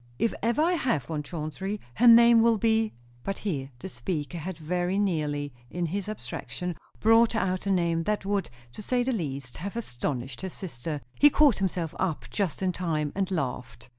"If ever I have one, Chauncey, her name will be " But here the speaker had very nearly, in his abstraction, brought out a name that would, to say the least, have astonished his sister. He caught himself up just in time, and laughed.